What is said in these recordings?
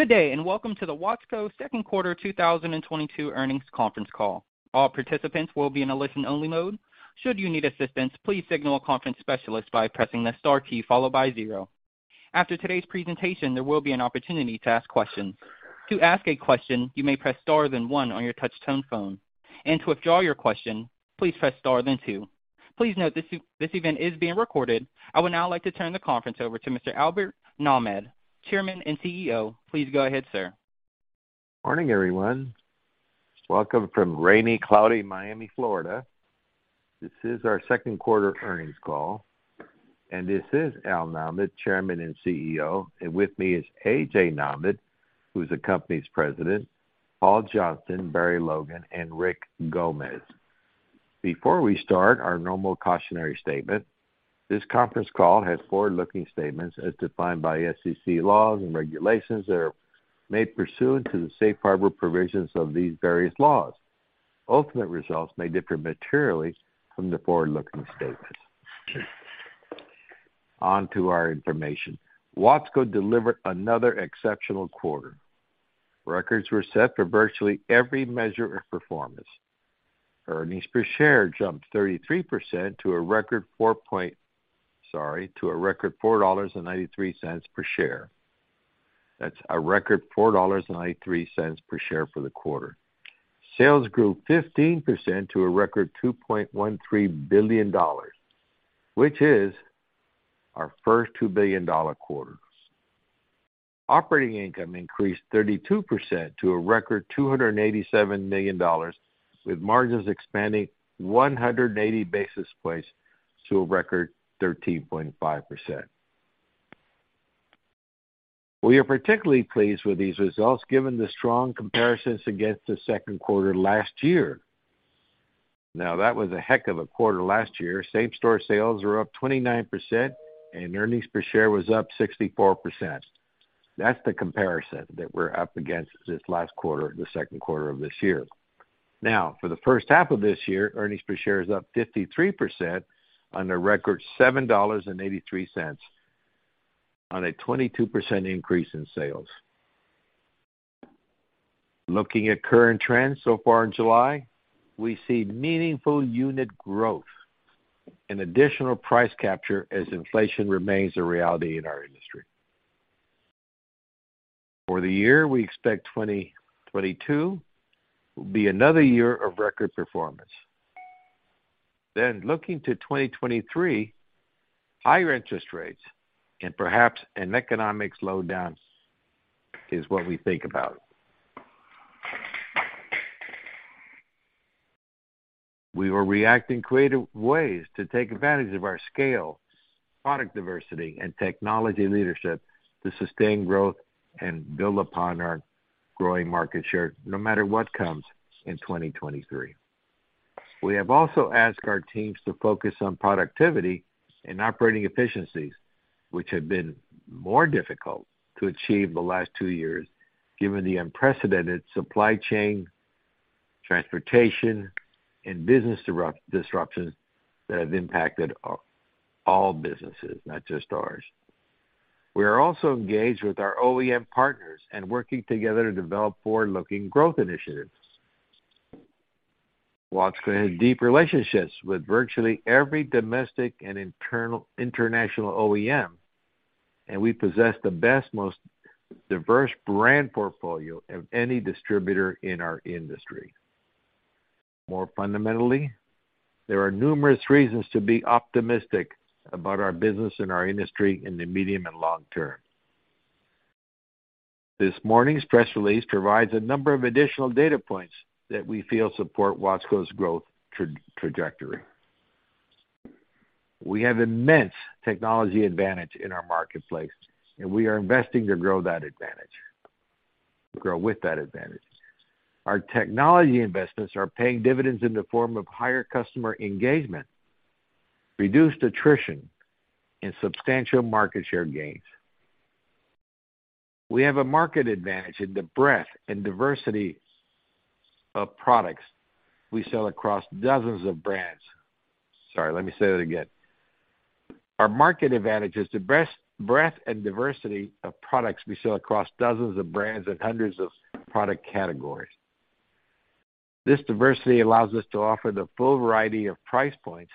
Good day, and welcome to the Watsco second quarter 2022 earnings conference call. All participants will be in a listen-only mode. Should you need assistance, please signal a conference specialist by pressing the star key followed by zero. After today's presentation, there will be an opportunity to ask questions. To ask a question, you may press star then one on your touch tone phone. To withdraw your question, please press star then two. Please note this event is being recorded. I would now like to turn the conference over to Mr. Albert Nahmad, Chairman and CEO. Please go ahead, sir. Morning, everyone. Welcome from rainy, cloudy Miami, Florida. This is our second quarter earnings call. This is Al Nahmad, Chairman and CEO. With me is AJ Nahmad, who's the company's president, Paul Johnston, Barry Logan, and Rick Gomez. Before we start, our normal cautionary statement. This conference call has forward-looking statements as defined by SEC laws and regulations that are made pursuant to the safe harbor provisions of these various laws. Ultimate results may differ materially from the forward-looking statements. On to our information. Watsco delivered another exceptional quarter. Records were set for virtually every measure of performance. Earnings per share jumped 33% to a record $4.93 per share. That's a record $4.93 per share for the quarter. Sales grew 15% to a record $2.13 billion, which is our first $2 billion quarter. Operating income increased 32% to a record $287 million, with margins expanding 180 basis points to a record 13.5%. We are particularly pleased with these results given the strong comparisons against the second quarter last year. Now, that was a heck of a quarter last year. Same-store sales were up 29% and earnings per share was up 64%. That's the comparison that we're up against this last quarter, the second quarter of this year. Now, for the first half of this year, earnings per share is up 53% on a record $7.83 on a 22% increase in sales. Looking at current trends so far in July, we see meaningful unit growth and additional price capture as inflation remains a reality in our industry. For the year, we expect 2022 will be another year of record performance. Looking to 2023, higher interest rates and perhaps an economic slowdown is what we think about. We will react in creative ways to take advantage of our scale, product diversity, and technology leadership to sustain growth and build upon our growing market share no matter what comes in 2023. We have also asked our teams to focus on productivity and operating efficiencies, which have been more difficult to achieve the last two years, given the unprecedented supply chain, transportation, and business disruptions that have impacted all businesses, not just ours. We are also engaged with our OEM partners and working together to develop forward-looking growth initiatives. Watsco has deep relationships with virtually every domestic and international OEM, and we possess the best, most diverse brand portfolio of any distributor in our industry. More fundamentally, there are numerous reasons to be optimistic about our business and our industry in the medium and long term. This morning's press release provides a number of additional data points that we feel support Watsco's growth trajectory. We have immense technology advantage in our marketplace, and we are investing to grow with that advantage. Our technology investments are paying dividends in the form of higher customer engagement, reduced attrition, and substantial market share gains. We have a market advantage in the breadth and diversity of products we sell across dozens of brands. Sorry, let me say that again. Our market advantage is the best breadth and diversity of products we sell across dozens of brands and hundreds of product categories. This diversity allows us to offer the full variety of price points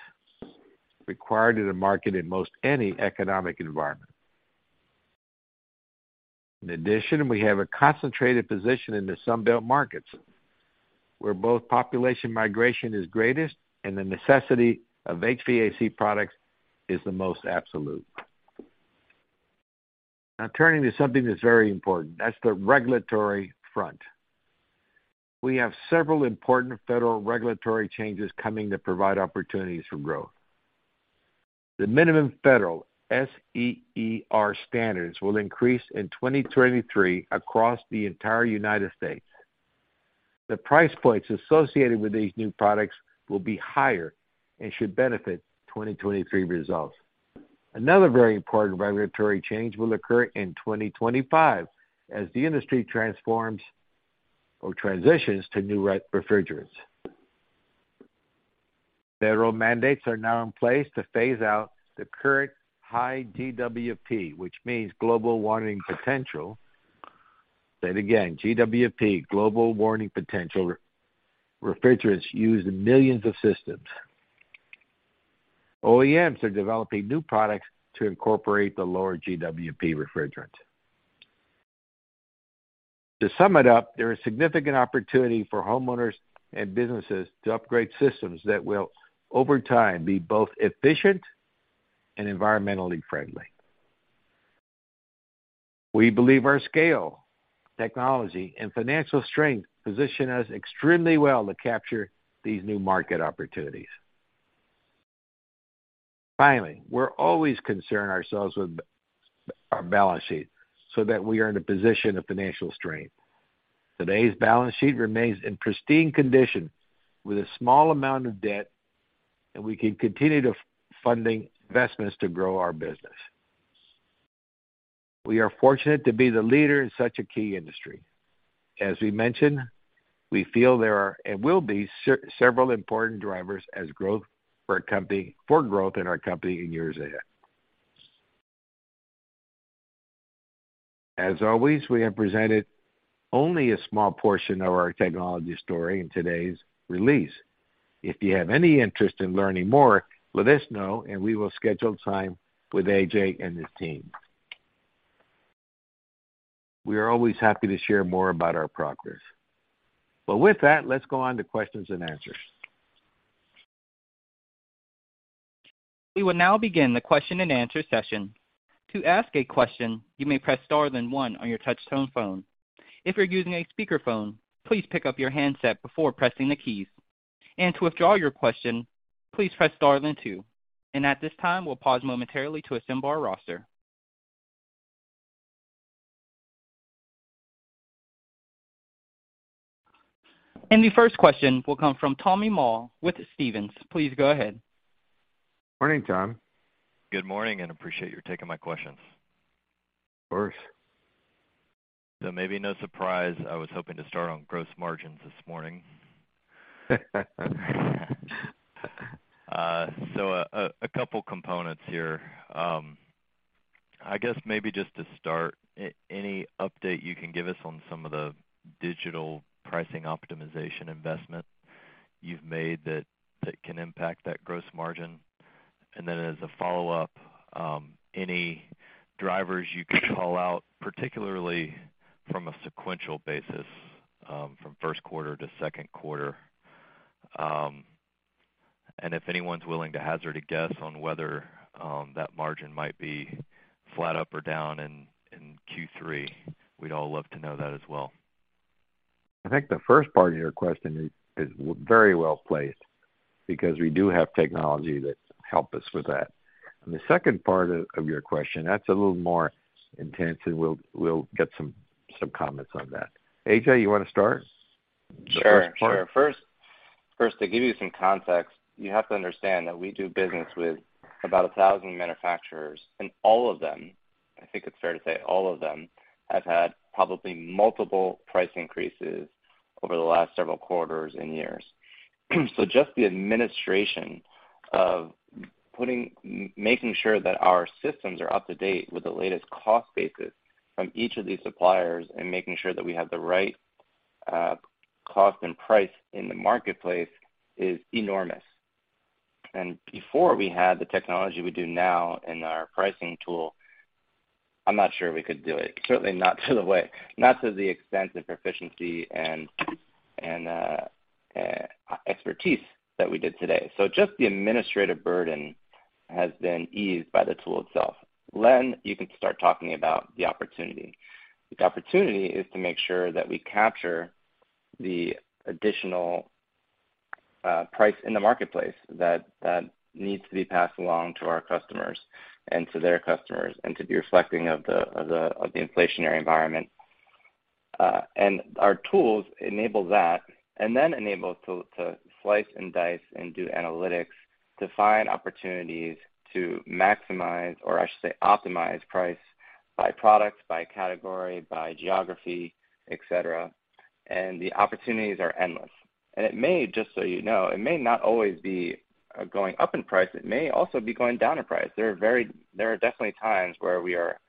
required in a market in most any economic environment. In addition, we have a concentrated position in the Sun Belt markets, where both population migration is greatest and the necessity of HVAC products is the most absolute. Now turning to something that's very important, that's the regulatory front. We have several important federal regulatory changes coming that provide opportunities for growth. The minimum federal SEER standards will increase in 2023 across the entire United States. The price points associated with these new products will be higher and should benefit 2023 results. Another very important regulatory change will occur in 2025 as the industry transforms or transitions to new refrigerants. Federal mandates are now in place to phase out the current high GWP, which means Global Warming Potential, say it again, GWP, Global Warming Potential, refrigerants used in millions of systems. OEMs are developing new products to incorporate the lower GWP refrigerant. To sum it up, there is significant opportunity for homeowners and businesses to upgrade systems that will, over time, be both efficient and environmentally friendly. We believe our scale, technology, and financial strength position us extremely well to capture these new market opportunities. Finally, we're always concerning ourselves with our balance sheet so that we are in a position of financial strength. Today's balance sheet remains in pristine condition with a small amount of debt, and we can continue to fund investments to grow our business. We are fortunate to be the leader in such a key industry. As we mentioned, we feel there are and will be several important drivers for growth in our company in years ahead. As always, we have presented only a small portion of our technology story in today's release. If you have any interest in learning more, let us know, and we will schedule time with AJ and his team. We are always happy to share more about our progress. With that, let's go on to questions and answers. We will now begin the question-and-answer session. To ask a question, you may press star then one on your touch tone phone. If you're using a speakerphone, please pick up your handset before pressing the keys. To withdraw your question, please press star then two. At this time, we'll pause momentarily to assemble our roster. The first question will come from Tommy Moll with Stephens. Please go ahead. Morning, Tom. Good morning, and I appreciate your taking my questions. Of course. Maybe no surprise, I was hoping to start on gross margins this morning. A couple components here. I guess maybe just to start, any update you can give us on some of the digital pricing optimization investment you've made that can impact that gross margin? Then as a follow-up, any drivers you can call out, particularly from a sequential basis, from first quarter to second quarter. If anyone's willing to hazard a guess on whether that margin might be flat up or down in Q3, we'd all love to know that as well. I think the first part of your question is very well placed because we do have technology that help us with that. The second part of your question, that's a little more intense, and we'll get some comments on that. AJ, you wanna start the first part? Sure. First, to give you some context, you have to understand that we do business with about 1,000 manufacturers, and all of them, I think it's fair to say all of them, have had probably multiple price increases over the last several quarters and years. Just the administration of making sure that our systems are up to date with the latest cost basis from each of these suppliers and making sure that we have the right cost and price in the marketplace is enormous. Before we had the technology we do now in our pricing tool, I'm not sure we could do it, certainly not to the extent of proficiency and expertise that we did today. Just the administrative burden has been eased by the tool itself. Land, you can start talking about the opportunity. The opportunity is to make sure that we capture the additional price in the marketplace that needs to be passed along to our customers and to their customers and to be reflecting of the inflationary environment. Our tools enable that and then enable to slice and dice and do analytics to find opportunities to maximize, or I should say, optimize price by product, by category, by geography, et cetera. The opportunities are endless. It may, just so you know, not always be going up in price. It may also be going down in price. There are definitely times where we are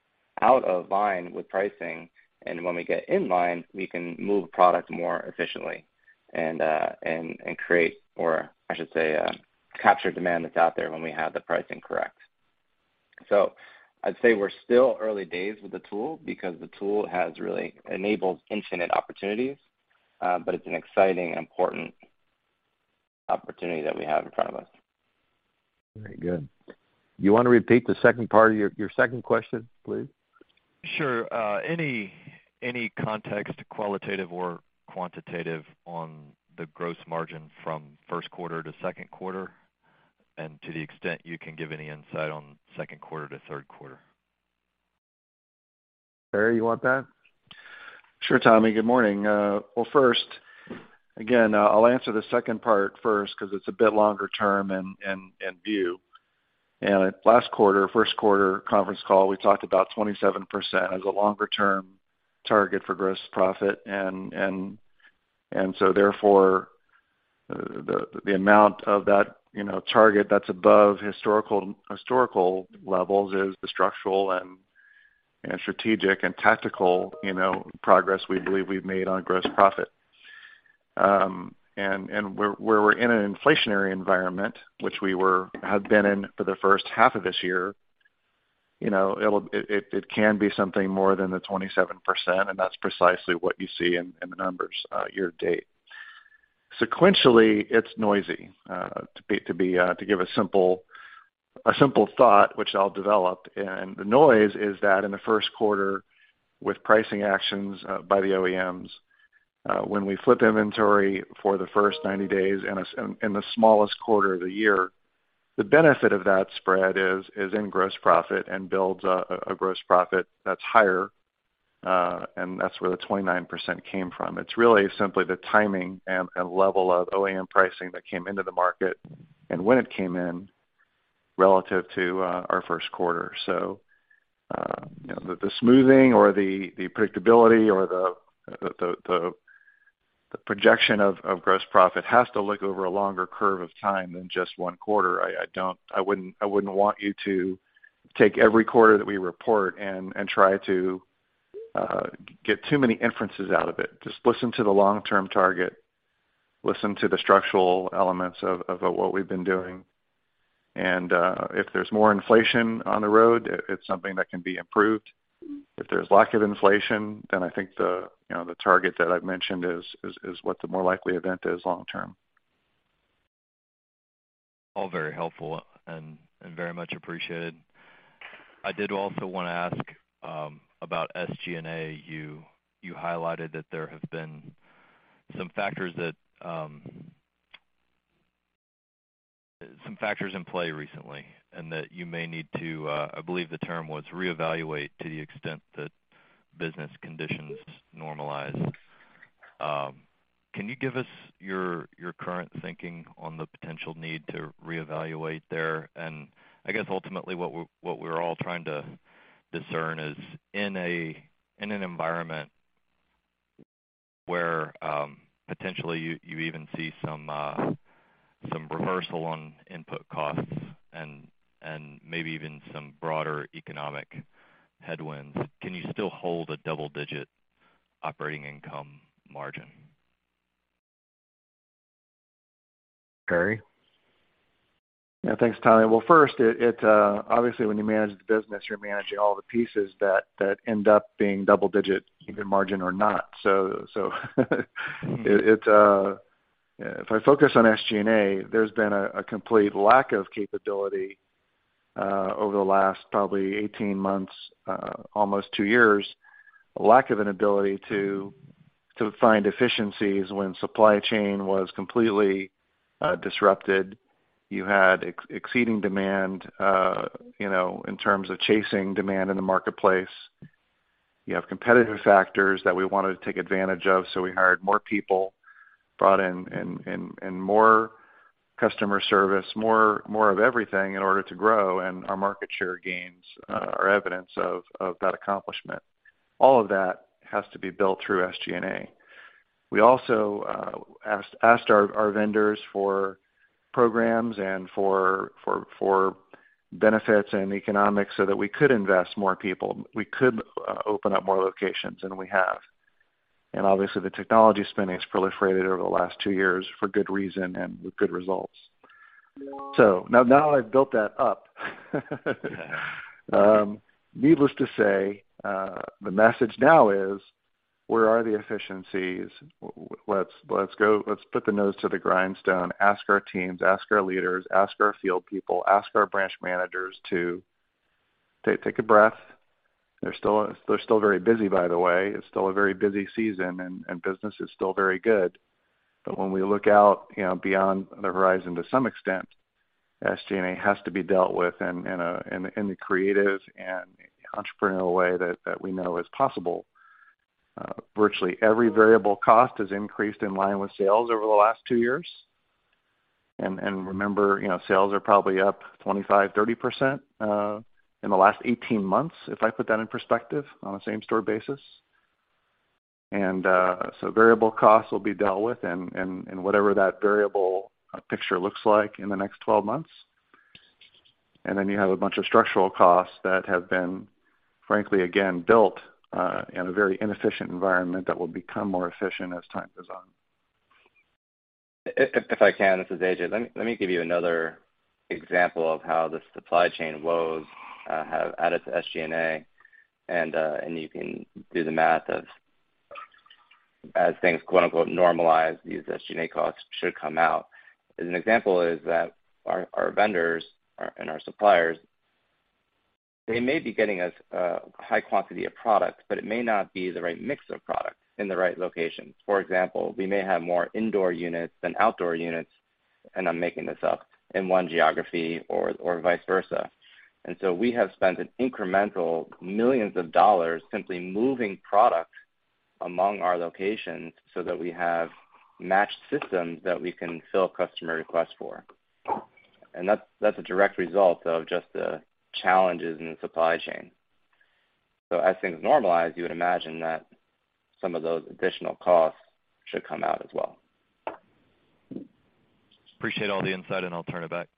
out of line with pricing, and when we get in line, we can move product more efficiently and capture demand that's out there when we have the pricing correct. I'd say we're still early days with the tool because the tool has really enabled infinite opportunities, but it's an exciting and important opportunity that we have in front of us. Very good. You wanna repeat the second part of your second question, please? Sure. Any context, qualitative or quantitative, on the gross margin from first quarter to second quarter, and to the extent you can give any insight on second quarter to third quarter. Barry, you want that? Sure, Tommy. Good morning. I'll answer the second part first 'cause it's a bit longer-term view. Last quarter, first-quarter conference call, we talked about 27% as a longer-term target for gross profit. Therefore, the amount of that target that's above historical levels is the structural and strategic and tactical progress we believe we've made on gross profit. Where we're in an inflationary environment, which we have been in for the first half of this year, it can be something more than the 27%, and that's precisely what you see in the numbers year to date. Sequentially, it's noisy to give a simple thought which I'll develop. The noise is that in the first quarter with pricing actions by the OEMs, when we flip inventory for the first 90 days in the smallest quarter of the year, the benefit of that spread is in gross profit and builds a gross profit that's higher, and that's where the 29% came from. It's really simply the timing and level of OEM pricing that came into the market and when it came in relative to our first quarter. You know, the smoothing or the predictability or the projection of gross profit has to look over a longer curve of time than just one quarter. I don't want you to take every quarter that we report and try to get too many inferences out of it. Just listen to the long-term target, listen to the structural elements of what we've been doing. If there's more inflation on the road, it's something that can be improved. If there's lack of inflation, then I think you know the target that I've mentioned is what the more likely event is long term. All very helpful and very much appreciated. I did also wanna ask about SG&A. You highlighted that there have been some factors in play recently, and that you may need to, I believe the term was, reevaluate to the extent that business conditions normalize. Can you give us your current thinking on the potential need to reevaluate there? I guess ultimately, what we're all trying to discern is in an environment where potentially you even see some reversal on input costs and maybe even some broader economic headwinds, can you still hold a double-digit operating income margin? Barry? Yeah, thanks, Tommy. Well, first, obviously when you manage the business, you're managing all the pieces that end up being double digit even margin or not. If I focus on SG&A, there's been a complete lack of capability over the last probably 18 months, almost two years, a lack of an ability to find efficiencies when supply chain was completely disrupted. You had exceeding demand, you know, in terms of chasing demand in the marketplace. You have competitive factors that we wanted to take advantage of, so we hired more people, brought in more customer service, more of everything in order to grow, and our market share gains are evidence of that accomplishment. All of that has to be built through SG&A. We also asked our vendors for programs and for benefits and economics so that we could invest more people, we could open up more locations, and we have. Obviously the technology spending has proliferated over the last two years for good reason and with good results. Now I've built that up. Needless to say, the message now is, where are the efficiencies? Let's put the nose to the grindstone, ask our teams, ask our leaders, ask our field people, ask our branch managers to take a breath. They're still very busy, by the way. It's still a very busy season and business is still very good. When we look out, you know, beyond the horizon, to some extent, SG&A has to be dealt with in a creative and entrepreneurial way that we know is possible. Virtually every variable cost has increased in line with sales over the last two years. Remember, you know, sales are probably up 25%-30% in the last 18 months, if I put that in perspective on a same-store basis. Variable costs will be dealt with in whatever that variable picture looks like in the next 12 months. Then you have a bunch of structural costs that have been, frankly, again, built in a very inefficient environment that will become more efficient as time goes on. If I can, this is AJ. Let me give you another example of how the supply chain woes have added to SG&A, and you can do the math as things, quote-unquote, “normalize,” these SG&A costs should come out. As an example is that our vendors and our suppliers, they may be getting us high quantity of products, but it may not be the right mix of products in the right locations. For example, we may have more indoor units than outdoor units, and I'm making this up, in one geography or vice versa. We have spent an incremental millions of dollars simply moving product among our locations so that we have matched systems that we can fill customer requests for. That's a direct result of just the challenges in the supply chain. As things normalize, you would imagine that some of those additional costs should come out as well. Appreciate all the insight, and I'll turn it back.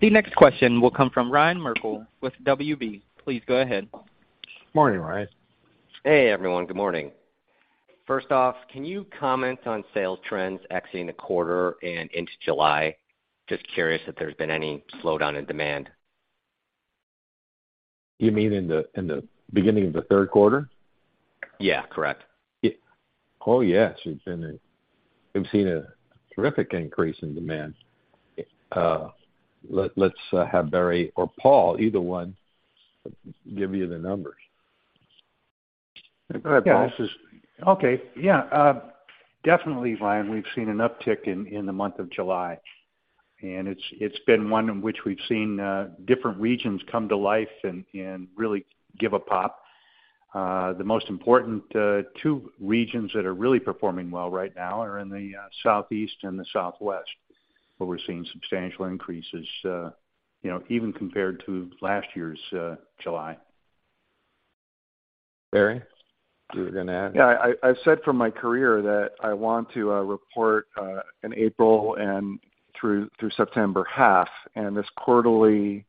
The next question will come from Ryan Merkel with WB. Please go ahead. Morning, Ryan. Hey, everyone. Good morning. First off, can you comment on sales trends exiting the quarter and into July? Just curious if there's been any slowdown in demand. You mean in the beginning of the third quarter? Yeah, correct. Oh, yes. We've seen a terrific increase in demand. Let's have Barry or Paul, either one, give you the numbers. Go ahead, Paul. Definitely, Ryan, we've seen an uptick in the month of July. It's been one in which we've seen different regions come to life and really give a pop. The most important two regions that are really performing well right now are in the Southeast and the Southwest, where we're seeing substantial increases, you know, even compared to last year's July. Barry, you were gonna add? Yeah. I've said throughout my career that I want to report an April-through-September half, and this quarterly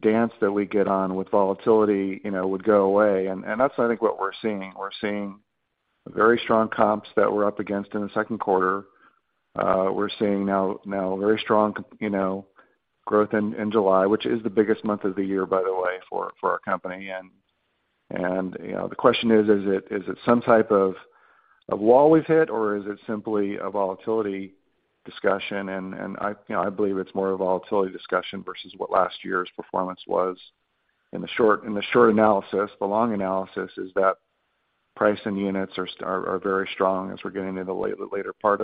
dance that we do with volatility, you know, would go away. That's, I think, what we're seeing. We're seeing very strong comps that we're up against in the second quarter. We're seeing now very strong growth in July, which is the biggest month of the year, by the way, for our company. You know, the question is it some type of a wall we've hit, or is it simply a volatility discussion? You know, I believe it's more a volatility discussion versus what last year's performance was in the short analysis. The long analysis is that pricing units are very strong as we're getting into the later part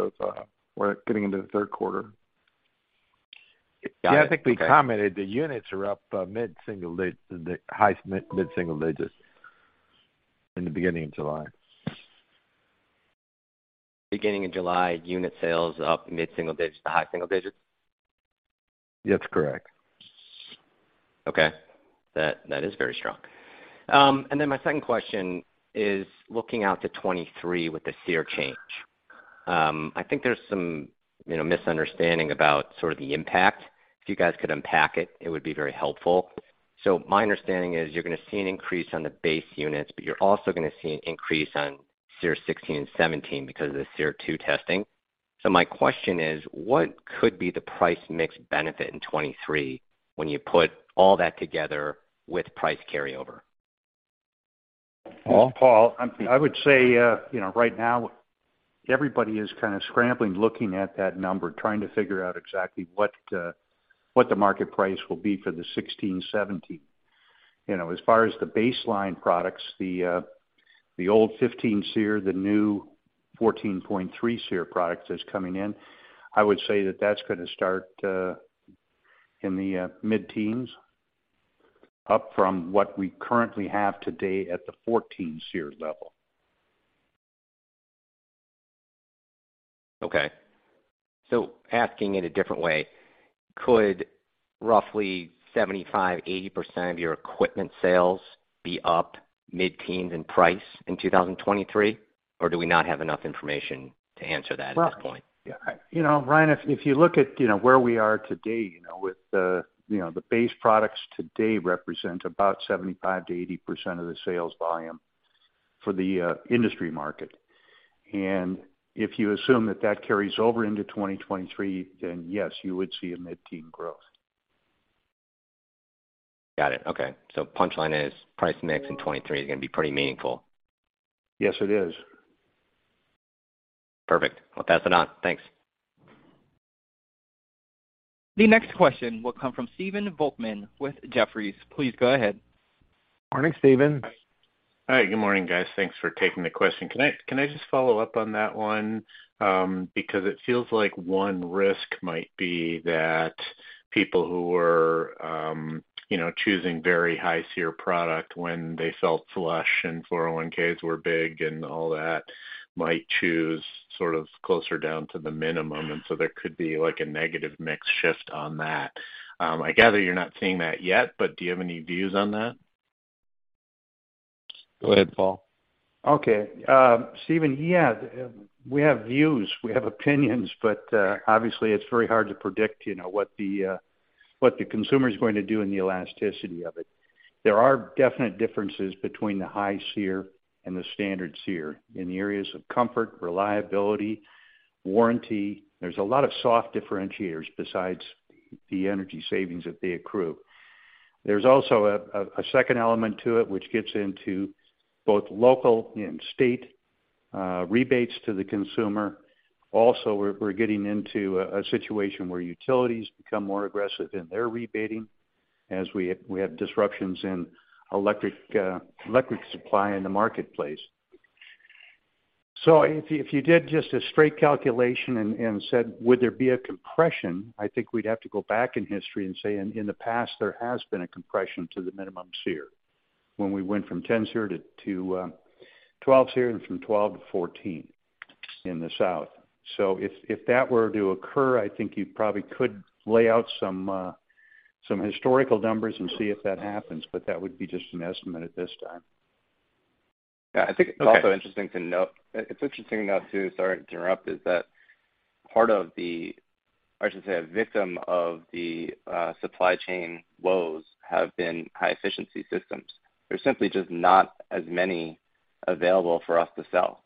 of. We're getting into the third quarter. Got it. Okay. Yeah. I think we commented the units are up high mid-single digits in the beginning of July. Beginning in July, unit sales up mid-single digits to high single digits? That's correct. Okay. That is very strong. My second question is looking out to 2023 with the SEER change. I think there's some, you know, misunderstanding about sort of the impact. If you guys could unpack it would be very helpful. My question is, what could be the price mix benefit in 2023 when you put all that together with price carryover? Paul? Paul, I would say, you know, right now everybody is kind of scrambling looking at that number, trying to figure out exactly what the market price will be for the 16, 17. You know, as far as the baseline products, the old 15 SEER, the new 14.3 SEER product that's coming in, I would say that that's gonna start in the mid-teens, up from what we currently have today at the 14 SEER level. Okay. Asking in a different way, could roughly 75%-80% of your equipment sales be up mid-teens in price in 2023? Or do we not have enough information to answer that at this point? Well, you know, Ryan, if you look at, you know, where we are today, you know, with the, you know, the base products today represent about 75%-80% of the sales volume for the industry market. If you assume that carries over into 2023, then yes, you would see a mid-teen growth. Got it. Okay. Punchline is price mix in 2023 is gonna be pretty meaningful. Yes, it is. Perfect. I'll pass it on. Thanks. The next question will come from Stephen Volkmann with Jefferies. Please go ahead. Morning, Stephen. Hi. Good morning, guys. Thanks for taking the question. Can I just follow up on that one? Because it feels like one risk might be that people who were, you know, choosing very high SEER product when they felt flush and 401(k)s were big and all that, might choose sort of closer down to the minimum. There could be, like, a negative mix shift on that. I gather you're not seeing that yet, but do you have any views on that? Go ahead, Paul. Stephen, yeah, we have views, we have opinions, but obviously it's very hard to predict, you know, what the consumer's going to do and the elasticity of it. There are definite differences between the high SEER and the standard SEER in the areas of comfort, reliability, warranty. There's a lot of soft differentiators besides the energy savings that they accrue. There's also a second element to it which gets into both local and state rebates to the consumer. We're getting into a situation where utilities become more aggressive in their rebating as we have disruptions in electric supply in the marketplace. If you did just a straight calculation and said, "Would there be a compression?" I think we'd have to go back in history and say in the past, there has been a compression to the minimum SEER. When we went from 10 SEER to 12 SEER and from 12 to 14 in the South. If that were to occur, I think you probably could lay out some historical numbers and see if that happens, but that would be just an estimate at this time. It's interesting to note, too, sorry to interrupt. Is that part of the, or I should say, a victim of the supply chain woes have been high efficiency systems. There's simply just not as many available for us to sell.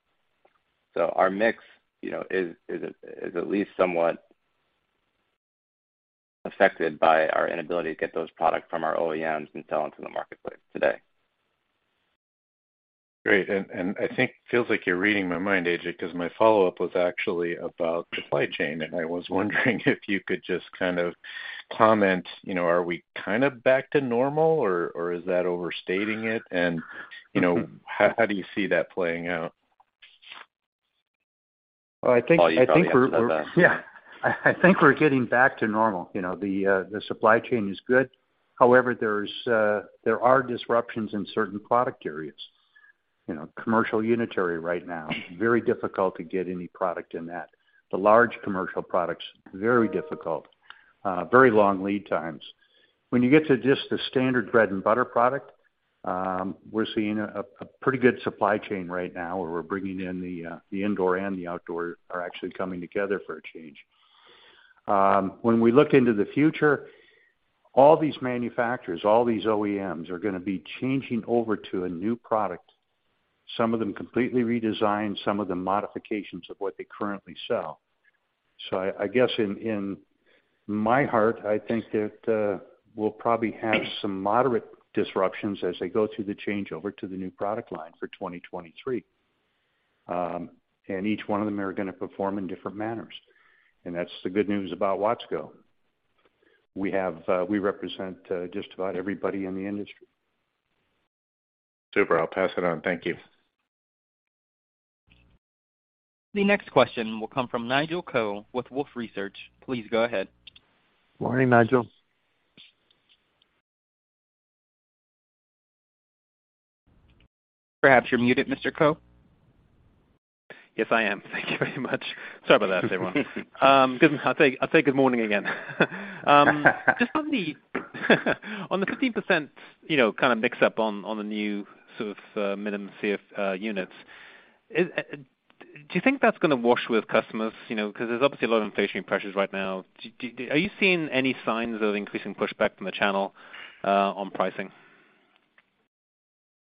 Our mix, you know, is at least somewhat affected by our inability to get those products from our OEMs and sell into the marketplace today. Great. I think feels like you're reading my mind, AJ, 'cause my follow-up was actually about supply chain. I was wondering if you could just kind of comment, you know, are we kind of back to normal, or is that overstating it? You know, how do you see that playing out? Well, I think we're. Paul, you probably have to have that. Yeah. I think we're getting back to normal. You know, the supply chain is good. However, there are disruptions in certain product areas. You know, commercial unitary right now, very difficult to get any product in that. The large commercial products, very difficult. Very long lead times. When you get to just the standard bread-and-butter product, we're seeing a pretty good supply chain right now where we're bringing in the indoor and the outdoor are actually coming together for a change. When we look into the future, all these manufacturers, all these OEMs are gonna be changing over to a new product. Some of them completely redesigned, some of them modifications of what they currently sell. I guess in my heart I think that we'll probably have some moderate disruptions as they go through the changeover to the new product line for 2023. Each one of them are gonna perform in different manners. That's the good news about Watsco. We represent just about everybody in the industry. Super. I'll pass it on. Thank you. The next question will come from Nigel Coe with Wolfe Research. Please go ahead. Morning, Nigel. Perhaps you're muted, Mr. Coe. Yes, I am. Thank you very much. Sorry about that, everyone. I'll say good morning again. Just on the 15%, you know, kind of mix-up on the new sort of minimum SEER units, do you think that's gonna wash with customers? You know, 'cause there's obviously a lot of inflation pressures right now. Are you seeing any signs of increasing pushback from the channel on pricing?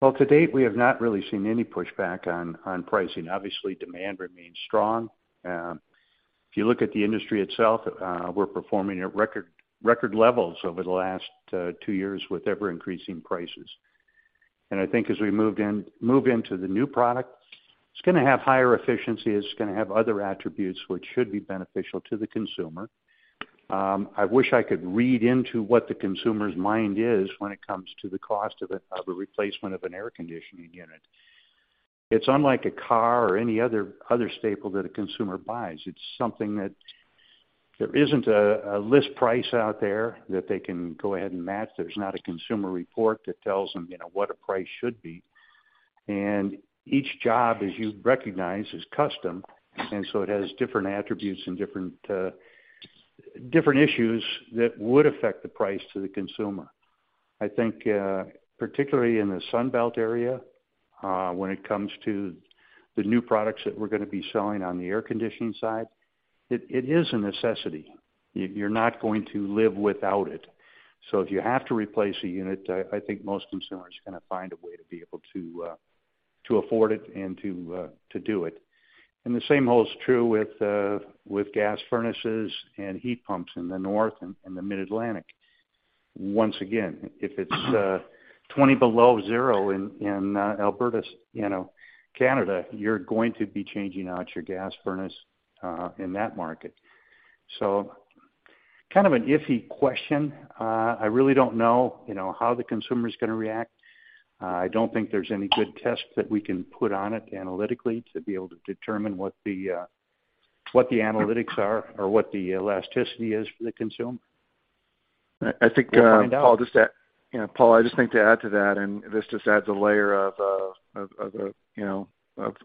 Well, to date, we have not really seen any pushback on pricing. Obviously, demand remains strong. If you look at the industry itself, we're performing at record levels over the last two years with ever-increasing prices. I think as we move into the new product, it's gonna have higher efficiency, it's gonna have other attributes which should be beneficial to the consumer. I wish I could read into what the consumer's mind is when it comes to the cost of a replacement of an air conditioning unit. It's unlike a car or any other staple that a consumer buys. It's something that there isn't a list price out there that they can go ahead and match. There's not a consumer report that tells them, you know, what a price should be. Each job, as you recognize, is custom. It has different attributes and different issues that would affect the price to the consumer. I think, particularly in the Sun Belt area, when it comes to the new products that we're gonna be selling on the air conditioning side, it is a necessity. You're not going to live without it. So if you have to replace a unit, I think most consumers are gonna find a way to be able to afford it and to do it. The same holds true with gas furnaces and heat pumps in the North and the Mid-Atlantic. Once again, if it's 20 below zero in Alberta, you know, Canada, you're going to be changing out your gas furnace in that market. Kind of an iffy question. I really don't know, you know, how the consumer's gonna react. I don't think there's any good tests that we can put on it analytically to be able to determine what the analytics are or what the elasticity is for the consumer. I think. We'll find out. Paul, just to add. You know, Paul, I just think to add to that, and this just adds a layer of, you know,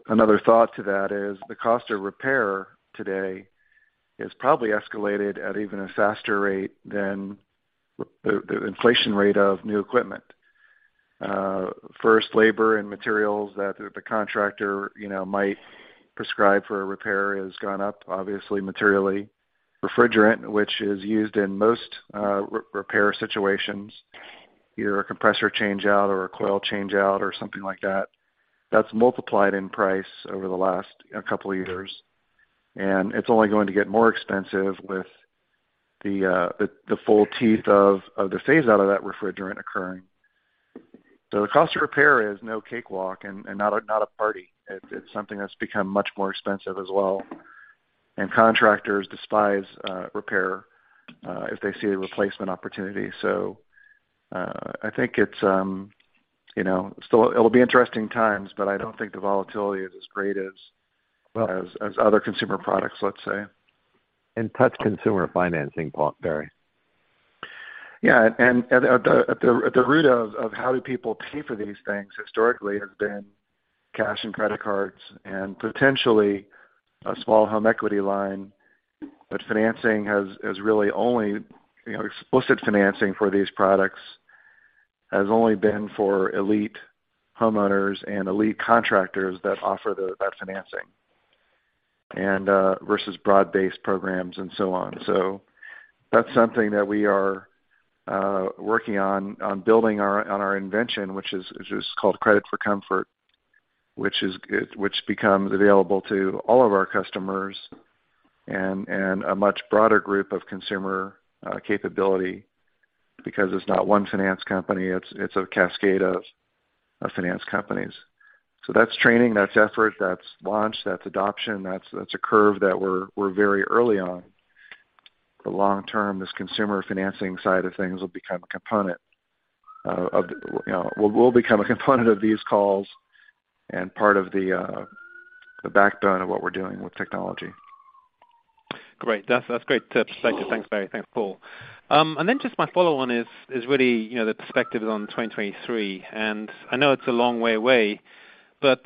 another thought to that, is the cost of repair today has probably escalated at even a faster rate than the inflation rate of new equipment. First, labor and materials that the contractor, you know, might prescribe for a repair has gone up, obviously materially. Refrigerant, which is used in most repair situations, your compressor change-out or a coil change-out or something like that's multiplied in price over the last couple years. It's only going to get more expensive with the full teeth of the phase out of that refrigerant occurring. The cost of repair is no cakewalk and not a party. It's something that's become much more expensive as well. Contractors despise repair if they see a replacement opportunity. I think it's you know it'll be interesting times, but I don't think the volatility is as great as- Well- As other consumer products, let's say. Touch consumer financing, Barry. Yeah. At the root of how do people pay for these things historically has been cash and credit cards and potentially a small home equity line. But financing has really only, you know, explicit financing for these products, has only been for elite homeowners and elite contractors that offer that financing and versus broad-based programs and so on. That's something that we are working on building our invention which is called Credit for Comfort, which becomes available to all of our customers and a much broader group of consumer capability because it's not one finance company, it's a cascade of finance companies. That's training, that's effort, that's launch, that's adoption, that's a curve that we're very early on. Long term, this consumer financing side of things will become a component of these calls and part of the backbone of what we're doing with technology. Great. That's great tips. Thank you. Thanks, Barry. Thanks, Paul. Just my follow on is really, you know, the perspectives on 2023. I know it's a long way away, but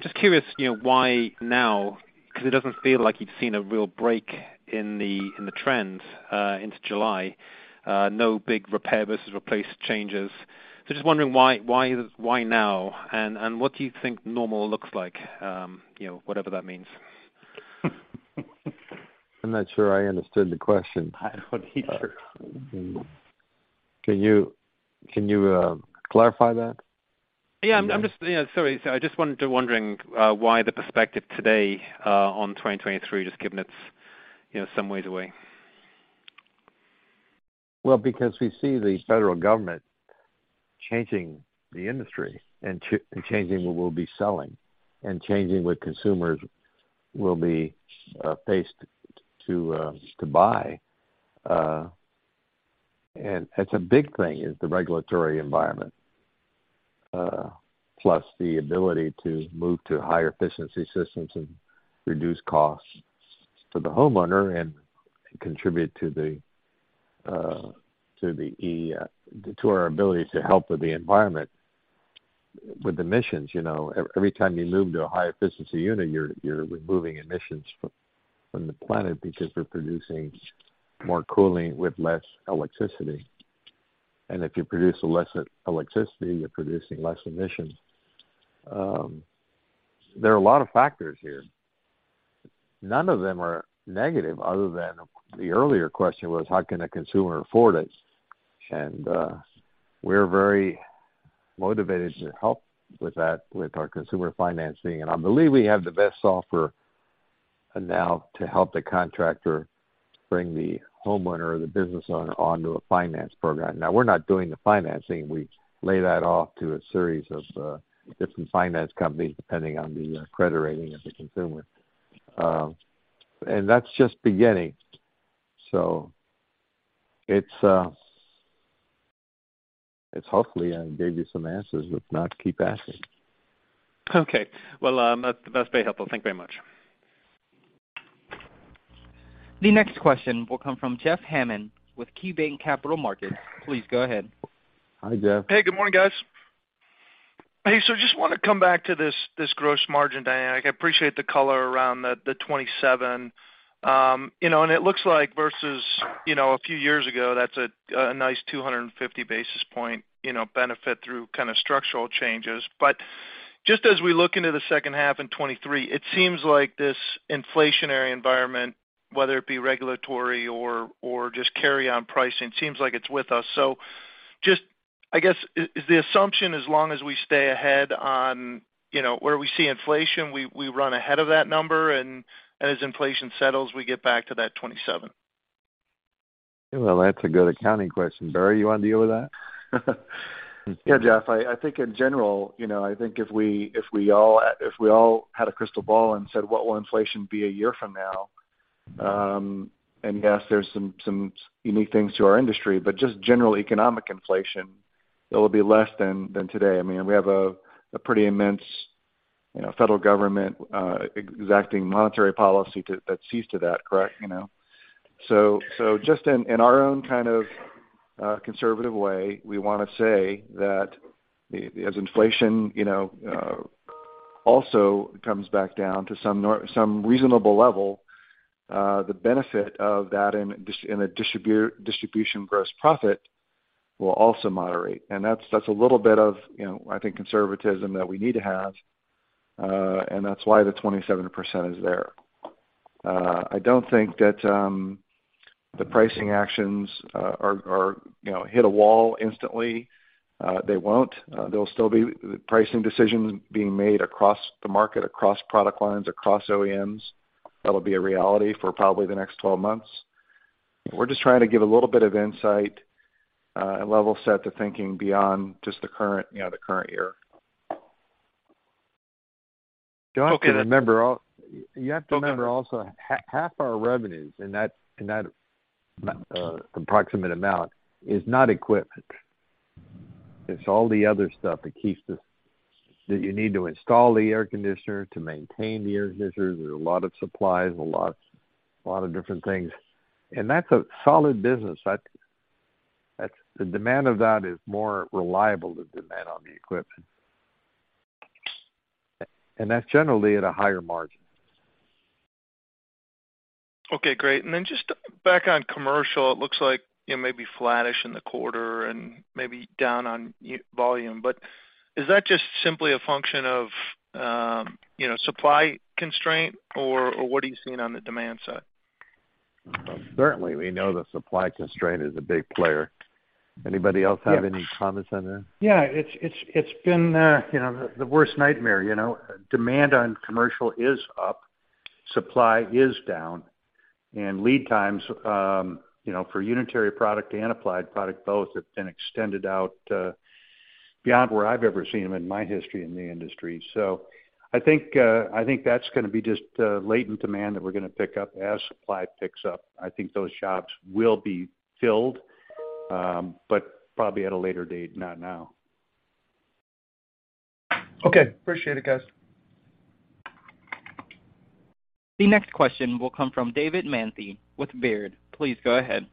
just curious, you know, why now? 'Cause it doesn't feel like you've seen a real break in the trends into July. No big repair versus replace changes. Just wondering why now? What do you think normal looks like? You know, whatever that means. I'm not sure I understood the question. I don't either. Can you clarify that? Yeah. I'm just, yeah, sorry. I just wanted to wonder why the perspective today on 2023, just given it's, you know, some ways away. Well, because we see the federal government changing the industry and changing what we'll be selling and changing what consumers will be forced to buy. It's a big thing, is the regulatory environment, plus the ability to move to higher efficiency systems and reduce costs for the homeowner and contribute to our ability to help with the environment with emissions. You know, every time you move to a higher efficiency unit, you're removing emissions from the planet because we're producing more cooling with less electricity. If you produce less electricity, you're producing less emissions. There are a lot of factors here. None of them are negative other than the earlier question was how can a consumer afford it? We're very motivated to help with that with our consumer financing. I believe we have the best offer now to help the contractor bring the homeowner or the business owner onto a finance program. Now, we're not doing the financing. We lay that off to a series of different finance companies depending on the credit rating of the consumer. That's just beginning. It's hopefully I gave you some answers. If not, keep asking. Okay. Well, that's very helpful. Thank you very much. The next question will come from Jeff Hammond with KeyBanc Capital Markets. Please go ahead. Hi, Jeff. Hey, good morning, guys. Hey, just wanna come back to this gross margin dynamic. I appreciate the color around the 27%. You know, it looks like versus a few years ago, that's a nice 250 basis points benefit through kind of structural changes. Just as we look into the second half in 2023, it seems like this inflationary environment, whether it be regulatory or just carryover pricing, seems like it's with us. Just I guess, is the assumption as long as we stay ahead on where we see inflation, we run ahead of that number and as inflation settles, we get back to that 27%? Well, that's a good accounting question. Barry, you wanna deal with that? Yeah, Jeff. I think in general, you know, I think if we all had a crystal ball and said, "What will inflation be a year from now?" Yes, there's some unique things to our industry, but just general economic inflation, it'll be less than today. I mean, we have a pretty immense, you know, federal government exacting monetary policy that sees to that, correct? You know. Just in our own kind of conservative way, we wanna say that as inflation, you know, also comes back down to some reasonable level, the benefit of that in distribution gross profit will also moderate. That's a little bit of, you know, I think conservatism that we need to have, and that's why the 27% is there. I don't think that the pricing actions are, you know, hit a wall instantly. They won't. There'll still be pricing decisions being made across the market, across product lines, across OEMs. That'll be a reality for probably the next 12 months. We're just trying to give a little bit of insight, and level set the thinking beyond just the current, you know, the current year. Jeff, remember you have to remember also half our revenues in that approximate amount is not equipment. It's all the other stuff that you need to install the air conditioner, to maintain the air conditioners. There's a lot of supplies, a lot of different things. That's a solid business. That's the demand of that is more reliable than demand on the equipment. That's generally at a higher margin. Okay, great. Then just back on commercial, it looks like it may be flattish in the quarter and maybe down on u-volume. Is that just simply a function of, you know, supply constraint or what are you seeing on the demand side? Well, certainly we know that supply constraint is a big player. Anybody else have any comments on that? Yeah. It's been, you know, the worst nightmare, you know. Demand on commercial is up, supply is down, and lead times, you know, for unitary product and applied product both have been extended out, beyond where I've ever seen them in my history in the industry. I think that's gonna be just latent demand that we're gonna pick up as supply picks up. I think those shops will be filled, but probably at a later date, not now. Okay. Appreciate it, guys. The next question will come from David Manthey with Baird. Please go ahead.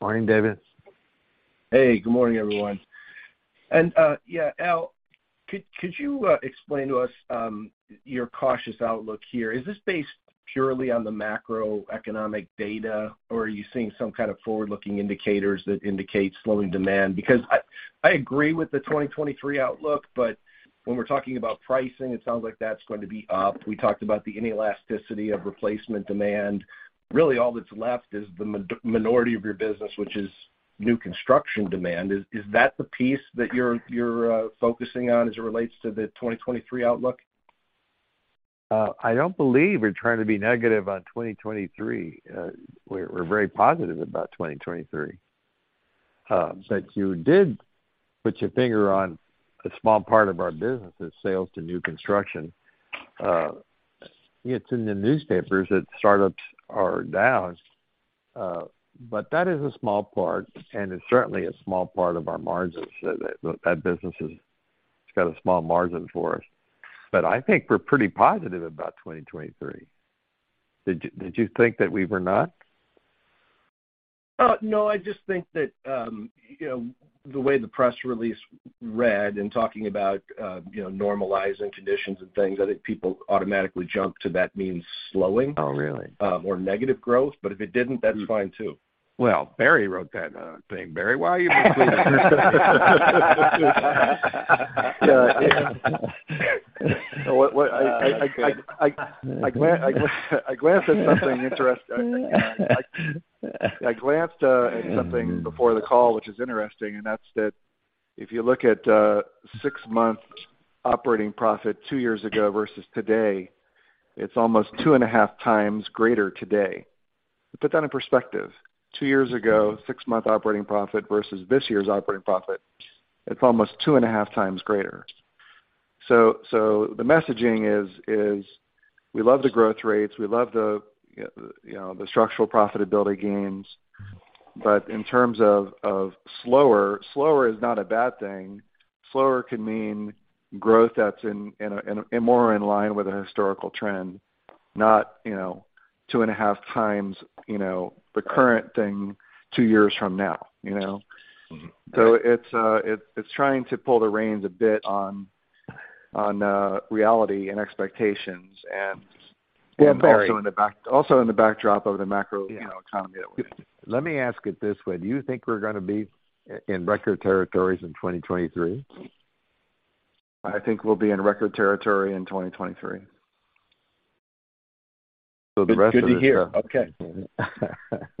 Morning, David. Hey, good morning, everyone. Yeah, Al, could you explain to us your cautious outlook here? Is this based purely on the macroeconomic data, or are you seeing some kind of forward-looking indicators that indicate slowing demand? Because I agree with the 2023 outlook, but when we're talking about pricing, it sounds like that's going to be up. We talked about the inelasticity of replacement demand. Really, all that's left is the minority of your business, which is new construction demand. Is that the piece that you're focusing on as it relates to the 2023 outlook? I don't believe we're trying to be negative on 2023. We're very positive about 2023. You did put your finger on a small part of our business is sales to new construction. It's in the newspapers that startups are down, but that is a small part, and it's certainly a small part of our margins. That business. It's got a small margin for us. I think we're pretty positive about 2023. Did you think that we were not? No, I just think that, you know, the way the press release read in talking about, you know, normalizing conditions and things, I think people automatically jump to that means slowing. Oh, really? Or negative growth. If it didn't, that's fine too. Well, Barry wrote that thing. Barry, why are you being so negative? I glanced at something interesting before the call, which is interesting, and that's that if you look at six-month operating profit two years ago versus today, it's almost 2.5x greater today. To put that in perspective, two years ago, six-month operating profit versus this year's operating profit, it's almost 2.5x greater. The messaging is we love the growth rates, we love the, you know, the structural profitability gains. In terms of slower is not a bad thing. Slower can mean growth that's and more in line with a historical trend, not, you know, 2.5x, you know, the current thing two years from now, you know? Mm-hmm. It's trying to pull the reins a bit on reality and expectations and. Yeah, Barry- Also in the backdrop of the macro, you know, economy that we're in. Let me ask it this way. Do you think we're gonna be in record territories in 2023? I think we'll be in record territory in 2023. So the rest of the- Good to hear. Okay.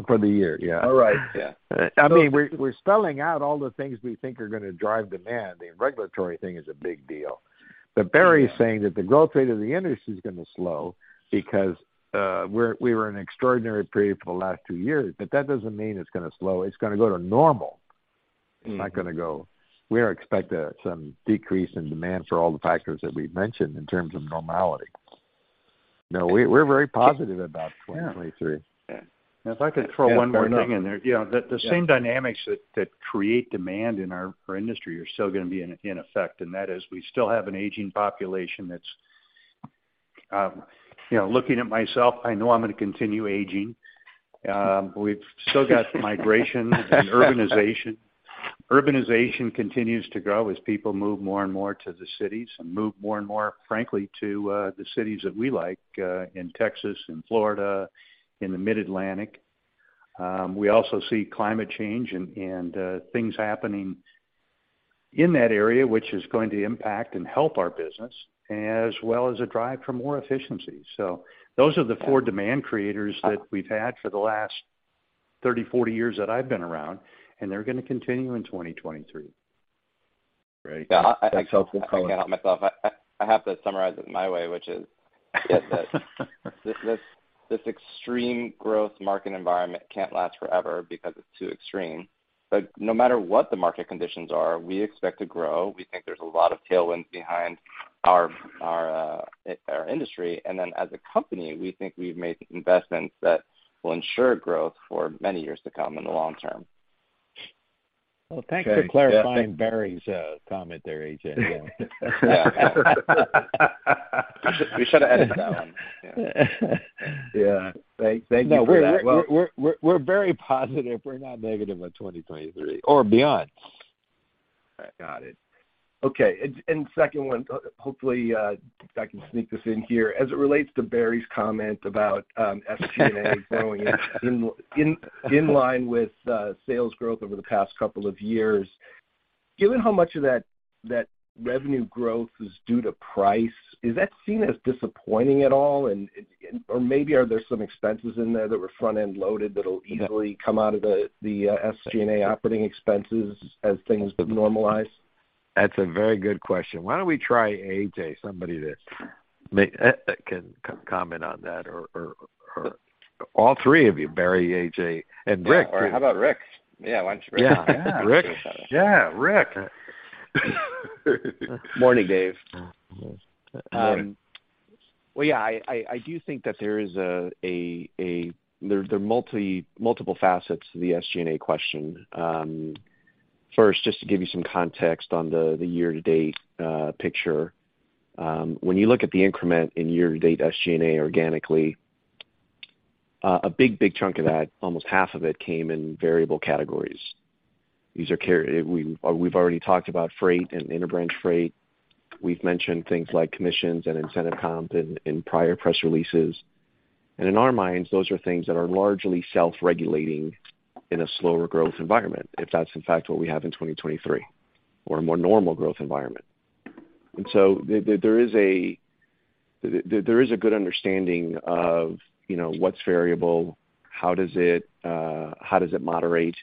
For the year, yeah. All right. Yeah. I mean, we're spelling out all the things we think are gonna drive demand. The regulatory thing is a big deal. Barry is saying that the growth rate of the industry is gonna slow because we were in extraordinary period for the last two years, but that doesn't mean it's gonna slow. It's gonna go to normal. Mm-hmm. We are expecting some decrease in demand for all the factors that we've mentioned in terms of normality. No, we're very positive about 2023. Yeah. If I could throw one more thing in there. You know, the same dynamics that create demand in our industry are still gonna be in effect, and that is we still have an aging population that's, you know, looking at myself, I know I'm gonna continue aging. We've still got migration and urbanization. Urbanization continues to grow as people move more and more to the cities and move more and more, frankly, to the cities that we like in Texas and Florida, in the Mid-Atlantic. We also see climate change and things happening in that area, which is going to impact and help our business, as well as a drive for more efficiency. Those are the four demand creators that we've had for the last 30, 40 years that I've been around, and they're gonna continue in 2023. Great. I can't help myself. I have to summarize it my way, which is Yes. This extreme growth market environment can't last forever because it's too extreme. No matter what the market conditions are, we expect to grow. We think there's a lot of tailwinds behind our industry. Then as a company, we think we've made investments that will ensure growth for many years to come in the long term. Well, thanks for clarifying Barry's comment there, AJ. We should have edited that one. Yeah. Yeah. Thank you for that. No, we're very positive. We're not negative on 2023 or beyond. I got it. Okay. Second one, hopefully, if I can sneak this in here. As it relates to Barry's comment about SG&A growing in line with sales growth over the past couple of years, given how much of that revenue growth is due to price, is that seen as disappointing at all, or maybe are there some expenses in there that were front-end loaded that'll easily come out of the SG&A operating expenses as things normalize? That's a very good question. Why don't we try AJ, somebody that may can comment on that or all three of you, Barry, AJ, and Rick too. How about Rick? Yeah, why don't you bring Rick into some of that. Yeah, Rick. Morning, Dave. Well, yeah, I do think that there are multiple facets to the SG&A question. First, just to give you some context on the year-to-date picture, when you look at the increment in year-to-date SG&A organically, a big chunk of that, almost half of it, came in variable categories. These are. We've already talked about freight and inter-branch freight. We've mentioned things like commissions and incentive comp in prior press releases. In our minds, those are things that are largely self-regulating in a slower growth environment, if that's in fact what we have in 2023 or a more normal growth environment. There is a good understanding of, you know, what's variable, how does it moderate,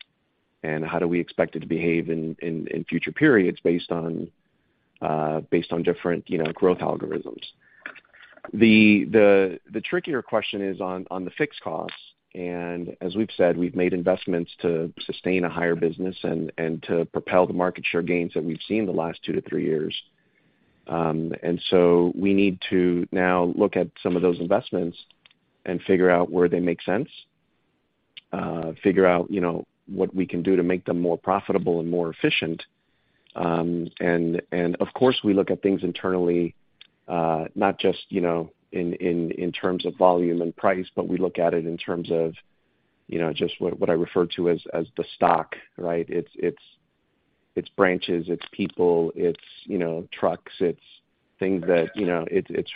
and how do we expect it to behave in future periods based on, you know, different growth algorithms. The trickier question is on the fixed costs. As we've said, we've made investments to sustain a higher business and to propel the market share gains that we've seen the last two to three years. We need to now look at some of those investments and figure out where they make sense, figure out, you know, what we can do to make them more profitable and more efficient. Of course, we look at things internally, not just, you know, in terms of volume and price, but we look at it in terms of, you know, just what I refer to as the stock, right? It's branches, it's people, it's, you know, trucks, it's things that, you know, it's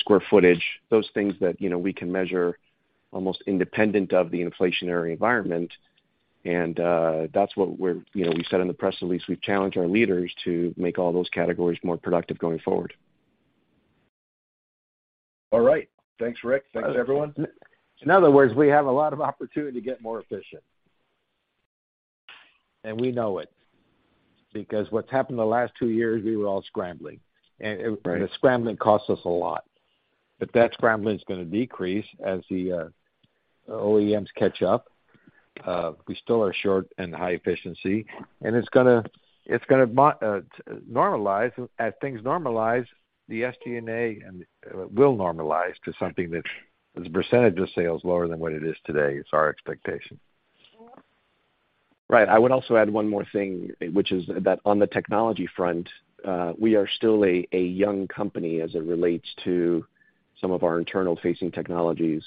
square footage, those things that, you know, we can measure almost independent of the inflationary environment. That's what, you know, we said in the press release. We've challenged our leaders to make all those categories more productive going forward. All right. Thanks, Rick. Thanks, everyone. In other words, we have a lot of opportunity to get more efficient, and we know it because what's happened the last two years, we were all scrambling. Scrambling costs us a lot. That scrambling is gonna decrease as the OEMs catch up. We still are short in high efficiency, and it's gonna normalize. As things normalize, the SG&A will normalize to something that, as a percentage of sales, lower than what it is today. It's our expectation. Right. I would also add one more thing, which is that on the technology front, we are still a young company as it relates to some of our internal facing technologies.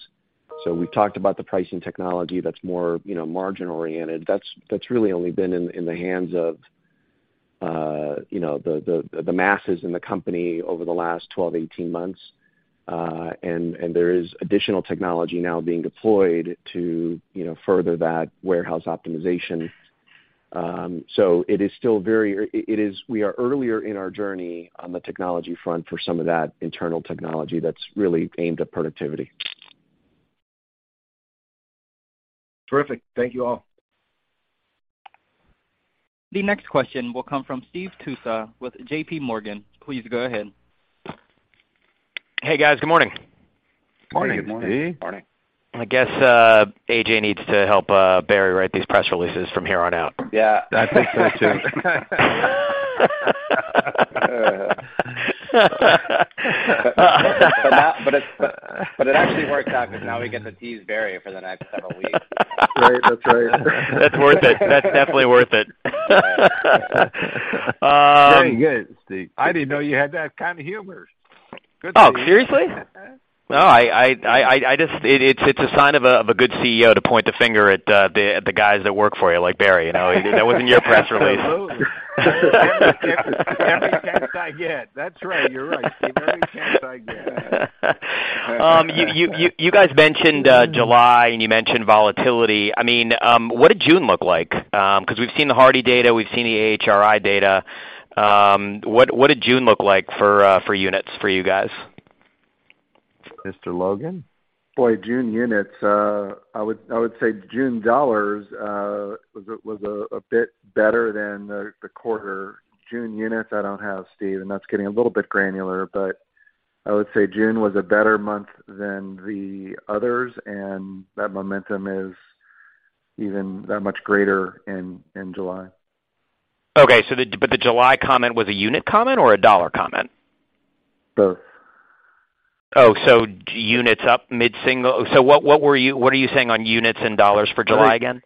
We've talked about the pricing technology that's more, you know, margin oriented. That's really only been in the hands of, you know, the masses in the company over the last 12-18 months. There is additional technology now being deployed to, you know, further that warehouse optimization. We are earlier in our journey on the technology front for some of that internal technology that's really aimed at productivity. Terrific. Thank you all. The next question will come from Steve Tusa with JPMorgan. Please go ahead. Hey, guys. Good morning. Morning. Good morning. Morning. I guess, AJ needs to help, Barry write these press releases from here on out. Yeah. I think so too. It actually worked out because now we get to tease Barry for the next several weeks. Right. That's right. That's worth it. That's definitely worth it. Very good, Steve. I didn't know you had that kind of humor. Good for you. Oh, seriously? No, it's a sign of a good CEO to point the finger at the guys that work for you, like Barry, you know. That wasn't in your press release. Absolutely. Every chance I get. That's right. You're right, Steve. Every chance I get. You guys mentioned July, and you mentioned volatility. I mean, what did June look like? 'Cause we've seen the HARDI data, we've seen the AHRI data. What did June look like for units for you guys? Mr. Logan? Boy, June units, I would say June dollars was a bit better than the quarter. June units I don't have, Steve, and that's getting a little bit granular, but I would say June was a better month than the others, and that momentum is even that much greater in July. The July comment was a unit comment or a dollar comment? Both. Oh, units up mid-single. What are you saying on units and dollars for July again?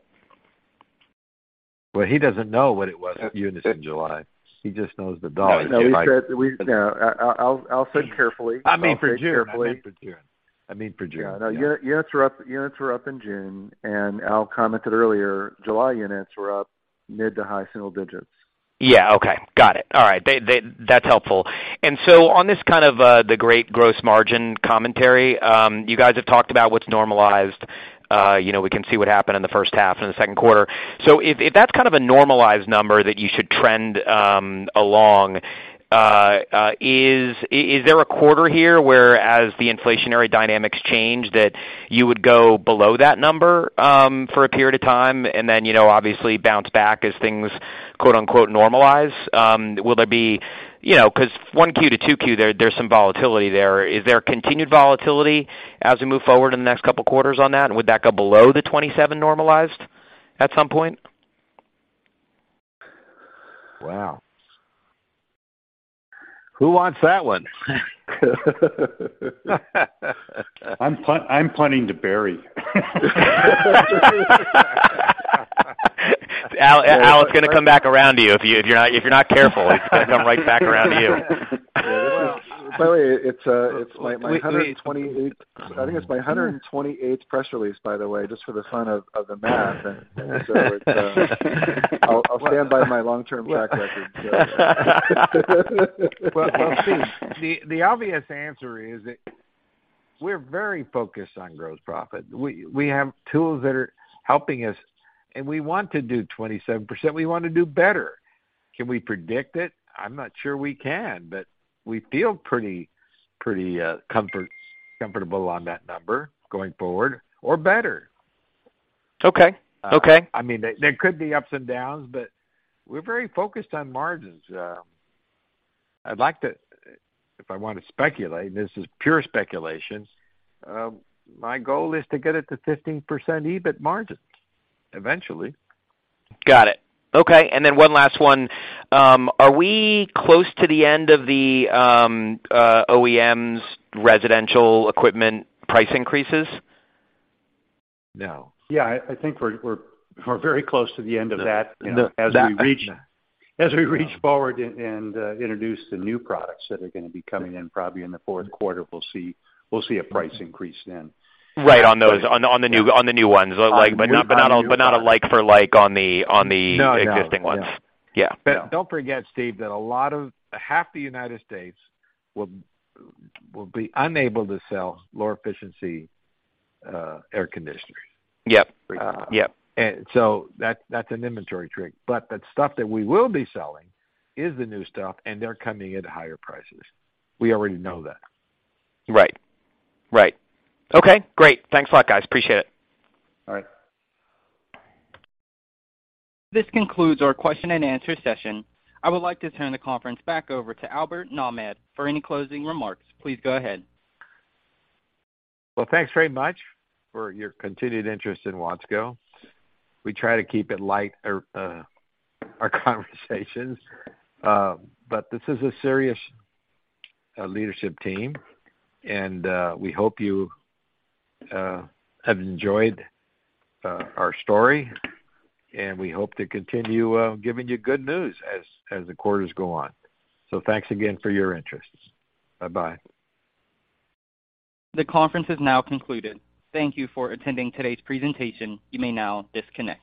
Well, he doesn't know what it was, units in July. He just knows the dollars. No. Yeah. I'll say it carefully. I mean for June. Yeah, no. Units were up in June, and Al commented earlier. July units were up mid- to high-single digits. Yeah, okay. Got it. All right. That's helpful. On this kind of the great gross margin commentary, you guys have talked about what's normalized. You know, we can see what happened in the first half and the second quarter. If that's kind of a normalized number that you should trend along, is there a quarter here where as the inflationary dynamics change, that you would go below that number for a period of time and then you know, obviously bounce back as things quote-unquote normalize? Will there be you know, 'cause 1Q to 2Q, there's some volatility there. Is there continued volatility as we move forward in the next couple of quarters on that? Would that go below the 27% normalized at some point? Wow. Who wants that one? I'm planning to Barry. Al, it's gonna come back around to you if you're not careful. It's gonna come right back around to you. By the way, it's my 128th press release, by the way, just for the fun of the math. I'll stand by my long-term track record. Well, Steve, the obvious answer is that we're very focused on gross profit. We have tools that are helping us, and we want to do 27%. We wanna do better. Can we predict it? I'm not sure we can, but we feel pretty comfortable on that number going forward or better. Okay. I mean, there could be ups and downs, but we're very focused on margins. If I wanna speculate, and this is pure speculation, my goal is to get it to 15% EBIT margins eventually. Got it. Okay. One last one. Are we close to the end of the OEM's residential equipment price increases? No. Yeah. I think we're very close to the end of that. You know, as we reach forward and introduce the new products that are gonna be coming in probably in the fourth quarter, we'll see a price increase then. Right. On those. On the new ones. Like, but not a like for like on the- No, no. Existing ones. Yeah. Yeah. Don't forget, Steve, that a lot of half the United States will be unable to sell lower efficiency air conditioners. Yep. Yep. That's an inventory trick. The stuff that we will be selling is the new stuff, and they're coming at higher prices. We already know that. Right. Okay, great. Thanks a lot, guys. Appreciate it. All right. This concludes our question and answer session. I would like to turn the conference back over to Albert Nahmad for any closing remarks. Please go ahead. Well, thanks very much for your continued interest in Watsco. We try to keep it light, our conversations, but this is a serious leadership team, and we hope you have enjoyed our story. We hope to continue giving you good news as the quarters go on. ThAnks again for your interest. Bye-bye. The conference is now concluded. Thank you for attending today's presentation. You may now disconnect.